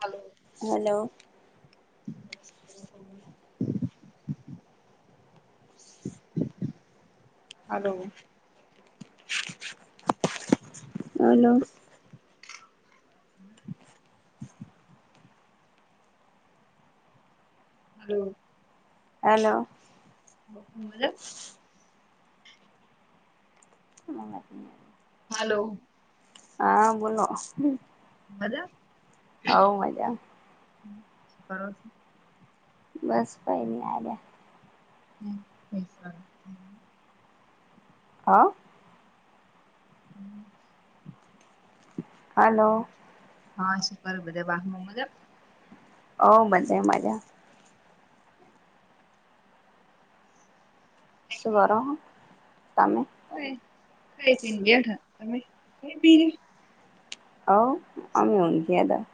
Hello hello. [inaudible] હાલો! Hello! [inaudible] હમ્મ. Hello! મતલબ [inaudible] હાલો! હા, બોલો. મજામાં? હવ મજામાં. હ શું કર સ. બસ કઈ ની આર્યા. હમ્મ પૈસા [inaudible] હ. હમ્મ. હલો. હા શું કર બધા [unintelligible] હ મજા. ઓ મજે મજા. [inaudible] સુકરો હો તમે. હોય ખાઈ પીને બેઠા તમે ખાઈ પી હવ અમે ઊગ્યા તા.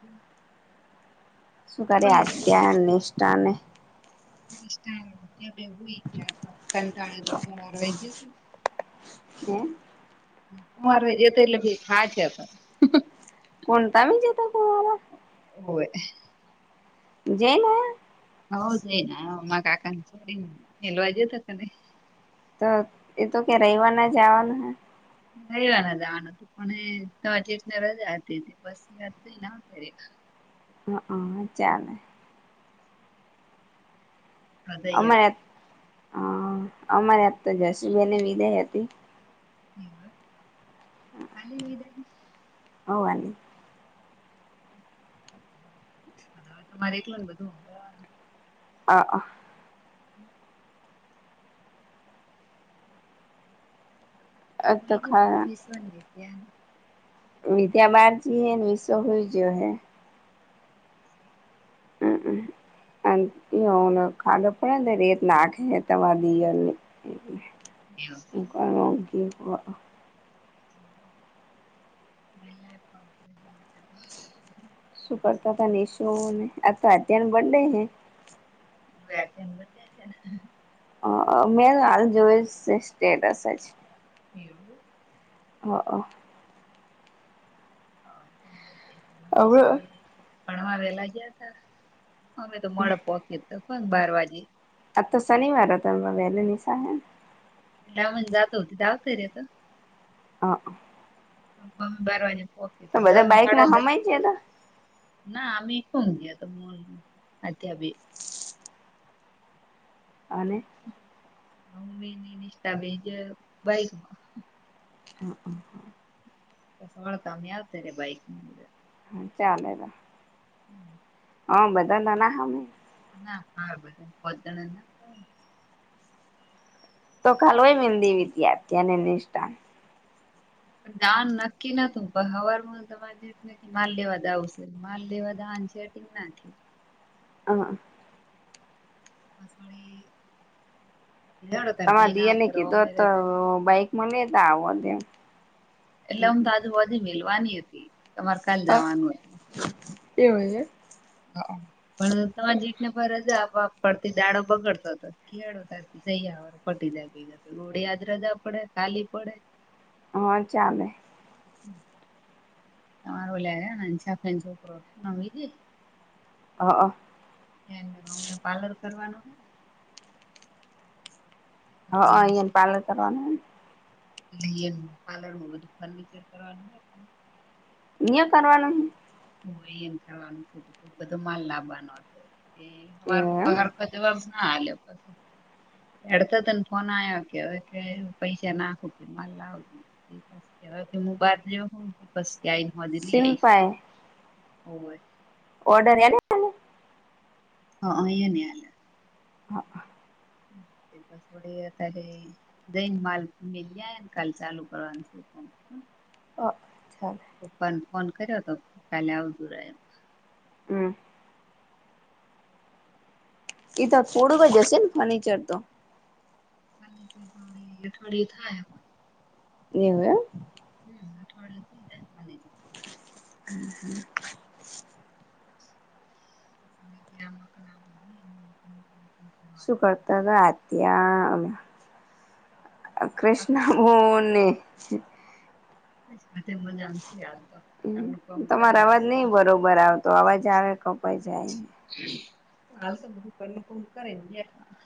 હમ્મ. શું કરે આધ્યા નિષ્ઠા ને. નિષ્ઠા આધ્યા બે હુઈ ગ્યા તા કંટાળે કુંમાર [inaudible] હમ્મ. કુંવારે જિયા તિયાં એટલે થાક્યા તા. કોણ તમે જિયા તા કુંવારે. હોવે [inaudible] આવ જઈ ને કાકાને છોડીને નીલવા જ તો કને તો એ તો કે રવિવર ના જવાનું હ રવિવાર ના જવાનું હતું પણટ રજા હતી હતી બસ વા હ હા ચાલે અયા હા અમારે આજ તો જશીબેન ને વિદાય હતી આલી વિદાય હોવા ન અવા તો મારી એ ટલે બધું [inaudible] [inaudible] તો કોઈ વિશ્વની રી ત્યા વિધ્યા બહાર જઈએ ને વિસવ હોઈ ગયો હે હમ હ એ ખાધો પડે રેત નાખે તમા દિયર ને અકકી ક મલા [inaudible] શું કરતા હતા નેશોને આ તો અત્યાર બર્ડે હે વ્યા છેને બધ છે મે હાલ જોઈ સ્ટેટસ જ એવ [inaudible] હ હવે ભણવા વેલા ગયા ત અમે તો મોડે પોકયો તો બાર વાગે આ તો શનિવાર હતા વહેલી નિશાળ મને જત હોતી ધાવત ર તો [inaudible] મમ્મી બારવાની પોખી તો દ બધા બાઈકમાં હાડા હમાય દ ગયા તા ના અી ખમ ગયા તોમ હતી હ ભી અને હું મે નહ નિષ્ઠતા બેજ બાઈકમાં [inaudible] હ હ હા પ સવાળ કમિયાાવ તેરી બઈકંગ [inaudible] હ ચલે એ ત [inaudible] [inaudible] હ બધા ના ના હમે ના હા બધા પો ના [inaudible] તો ખાલય મિંદી વિ પણ ત્યાત્યા પણ દાન નક્કી નતું હવારમાં તમારે માલ દેવા દાવ છે માલ દેવા દાન [inaudible] [inaudible] [inaudible] અહા પાસવાળ [inaudible] તમારા દિયાને કીધો તો બાઈકમાં લેતા આવો એટલે આમ તો આજુબ મેલવાની હતી તમારે કાલ જવાનું હતું એવ છે ને ફર જ ફડતી દાડો બગડતો હતો ખિયાળો તથી જ પટી ગો [inaudible] યાદ રજા પડે ખાલી પડે હા ચાલે હમ તમાર લે છોક છે વિીજ. [inaudible] હા હ. એનુ પાર્લર કરવાનું હ. અહ અહિયાયાને પાલન કરવાનુંને. એટ પાર્લરમાં બધું ફર્નિચર કરવાનું હોય. ઇયા કરવાવાનું. હો એને કરવાનું છે બધો માલ લાવવાનો હતો. એ હે હવાર એમ મુકા હરખતેવાર ના આલ પ. [inaudible] એડતા ત ફોન આયા કે પૈસા નાખમાં. કે હું બાર જે પસ આઈને દેલી આઈ શિલ્પા એ ઓય. [inaudible] ઓર્ડર એ. હા એ ન હાલ. બસડત્યારે જઈન માલ મલ જ કાલ ચાલુ કરવાનુંથી. હમ. અ પપ્પા ફોન કર્યો તો કાલે આવતું રે એમ. હમ એ તો પડોવ‌ઇગ જશે ફર્નિચર તો. અઠવાડિયે થાય એવુ એમ અઠવાડ થઈ જાયા. [inaudible] ના. શું કરતા હતા અ ત્યા અ. આખી કૃષ્ણ બોને. અચા. [inaudible] કામ તમારો કરીને અવાજ નઈ બેઠા. બરોબર આવતો અવાજ આવે કપાય છે. એઈ. હાલ તો બ દુકાન ન કામ કરેને ગઠા. [inaudible]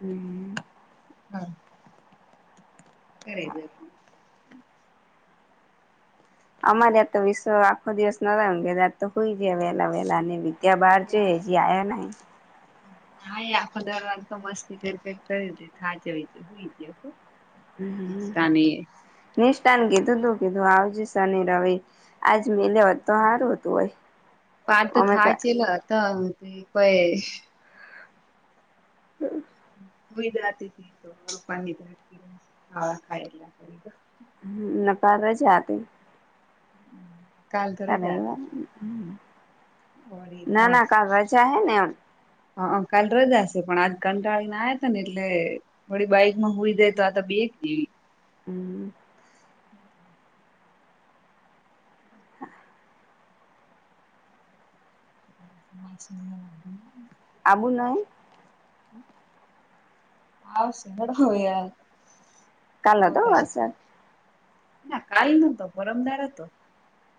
હમ. [inaudible] હા. કરે એ પણ. અમારે આ તો વિશ્વ આખો દિવસ ના તો હોઈ જાય વેહલા વેહલા ને. ત્યા બહાર છે હેજી આયા નહી. હા આખો દરવાજ તો મસ્તી કરેે કરી દ ખાજય જ નિષ્ઠાન કીધું તું કીધું આવજે શન રવિ આજ મે લ હોત તો સારું હતું ભાઈ. પાર તો થાય છે એલા કોઈ. ઈ જ તો ખાવા ખાય એટલા કરી. હપ જ આતી. કાલ થર જતી. ઓડી તો ના ના કાલ રજા હે ને એમ હ કાલ રજાશે. પણ આજ કંટાળી ના આવ હતા ને એટલે વળી બાઈક માં હોઈ દાય તો આ તો બે એવી. હમ. હમ્મ. હ. મા સુની લાગ. આબુ નહી. હા સંગળ હોય યાર. કાલનો તો અવરાય વર્ષ. ના કાલ નતો પરમદાર હતો.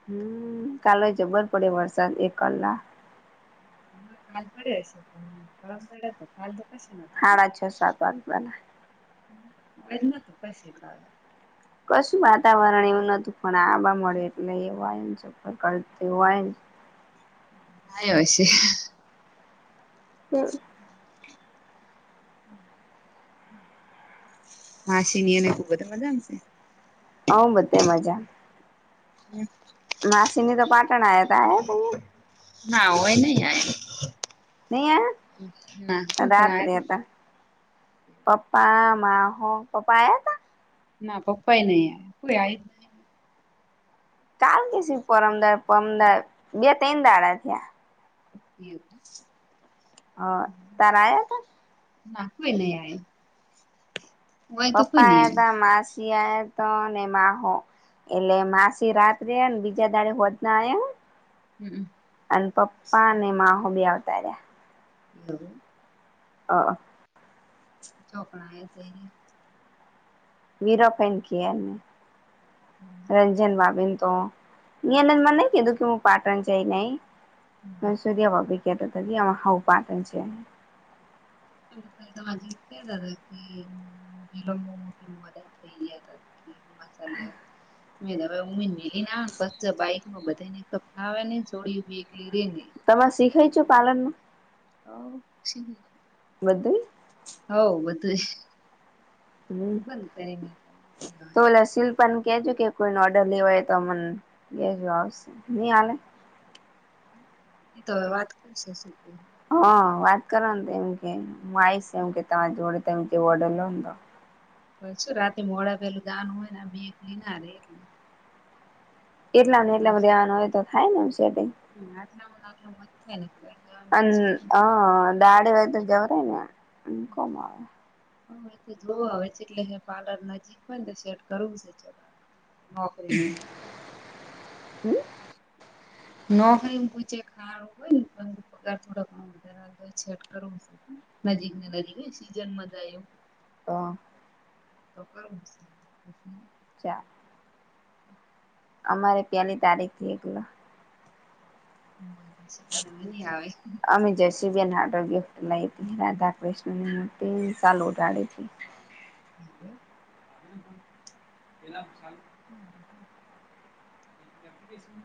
હમ્મ, ચાલે જબર પડે વરસાદ એક કલાક હ કાલ પડે છે પણ ફમ પડે તો કાલ તો કશે નતું. હાડા છ સાત વાત બલા એ જ ન તું પૈ શ ખાવે. કશું વાતાવરણ એવું નતું પણ આબા મળે એટલે એવું એમ કરતી હોય. ના છે. હમ્મ. [inaudible] માસીની અને ખૂબ મજાશે. હ બધે મજા. [inaudible] માસીની તો પાટણયા હ [unintelligible] નહી ના કોણ કોણ રાત્ર આયા રે હતા તા? પપ્પા મા હો પ્પા એ હતા. ના પપ્પા નહી પ આ જ ન કામ કે પરમદાર પરમદાર બે ત દાડા થયા. એ હા તાર હતા. ના કોઈ નહ આય. પપ્પા હતા માસી તો ને માહો એટલે માસી રાત્રે બીજા દાડે હોદનામ હમ્મ. પપ્પા અને માહ બી આવતાાર્યા એવવું. હ. ચોકડા એ તે વીરાપેન ક એમને રંજન બાબેન તો મને કેું કે હું પાટણ જાય નઈ એ હ સુર્યા ભ તા એમાં હ પાટન છે. અ ક તો હજી દાદા કે વિલોબમી મદદ થઈ જ મસાલે મે હવે [unintelligible] મેલી ના પંચર બાઈકમાં બધાને એક તો ફાવે નહી ને છોડી [unintelligible] તમારે શીખાય છ પાલન નું હવ શી બધુઈ હવ બધુંજ હમ્મ, તો લાશુલ પણ કેજ કે કોઈને ઓર્ડર લેવાય તો મન એ [unintelligible] નહીં આવે એ તો હવે વાત કરશે શ હા, વાત કરવા ને તો એમ કે હું આવીશ એમ કે તમારી જોડે તમે જે ઓર્ડર લો ને તો પછ રાતી મોડા પેલું ગાન હોય ને બેક લી ના રે એટલે એટલાને એટલામાં ધ્યાન હોય તો થાય [unintelligible] કઈ [unintelligible] અન છે અ દાળ હોય તો જવરાય ને કોમ આવે હ તો જોવ આવે છે એટલે પાર્લર નજીક હોય ને તો સેટ કરવું છે છોકરા નોકરી હમ્મ. ન ખાઈ પૂછે ખારું હોય ને પગાર થોડાક ઘણો વધારે આવતો [unintelligible] કરવું નજીકને નજીક ને સીઝનમાં થાય એવું તો તો કરું પછી ચા [inaudible] અમારે પેલી તારીખથી એકલા [unintelligible] હવે નહીં આવે દિવ્ય નાટગ્ય મૈત્રી રાધાકૃષ્ણની મુર્તિ [unintelligible] છે [inaudible] પેલા [unintelligible] [unintelligible] એપ્લિકેશન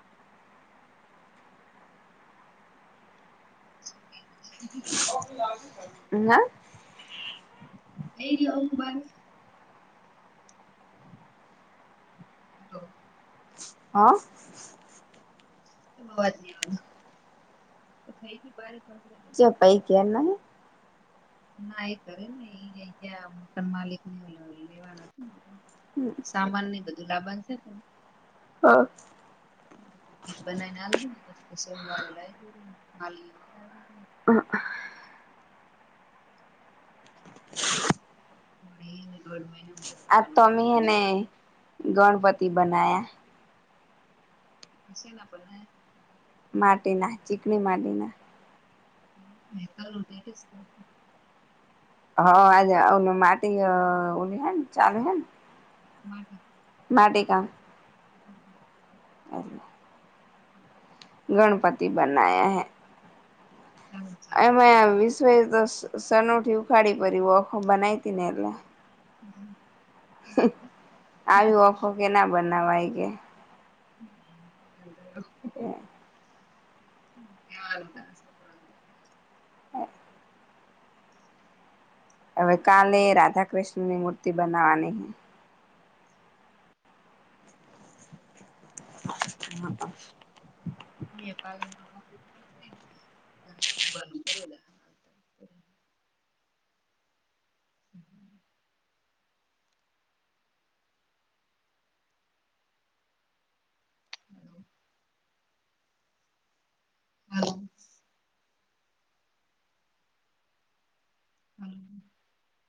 [unintelligible] [unintelligible] એ [unintelligible] હેલો! હઅ એ અવાજ નહી આવ તો થઈ [unintelligible] ચ પૈ કેના ના એ કરે ને એ ત્યાં મકાન માલિક ને લેવાના હત ને સામાનને બધું લાવવાનું છે ને આ ઘી બનાવીને હાલ દો ને પછ સોમવારે લાઈ દોન હાલી [unintelligible] હ [unintelligible] [unintelligible] આ તોમી એને ગણપતિ બના્યા શેના બનાયા માટીના, ચીકણી માટીના [unintelligible] હ, આજે માટી અઓની હેન ચાલે હેન માટી માટી કામ [unintelligible] એટલે ગણપતિ બનાયા હૈ ચાલો ચાલો એમાં વિશ્વ તો સનોઠી ઉખાડી પ ઓખો બનાયતી ને એટલે હમ આવી ઓખો કે ના બનાવાય કે હમ હે સારું તારા છોકરા ન તો હ હવે કાલે રાધા કૃષ્ણની મૂર્તિ બનાવાની હે હમ [unintelligible] અમે પાલન [unintelligible] [unintelligible] હલો હમ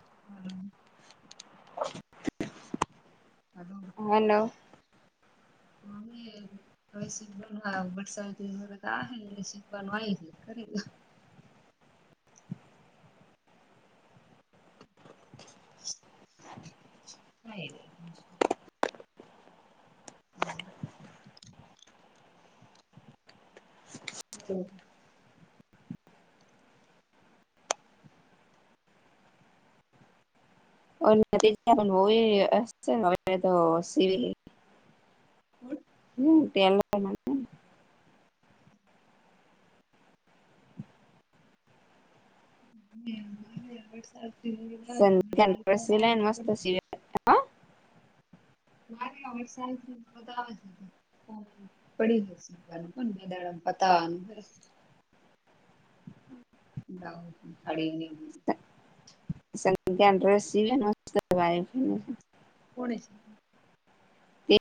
હ હાલો [inaudible] [unintelligible] [inaudible] હા એ તો છે. [inaudible] [unintelligible] [unintelligible] સિવિલ [inaudible] હું [unintelligible] [unintelligible] વરસાદ સંધ્યા ડ્રેસ સિલાય ને મસ્ત [unintelligible] સીવે હા પડી જશે [unintelligible] કોન બે દાડા મ. પતાવાનું [unintelligible] [unintelligible] કોણે [unintelligible]